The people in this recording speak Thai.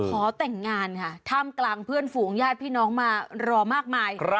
ขอแต่งงานค่ะท่ามกลางเพื่อนฝูงญาติพี่น้องมารอมากมาย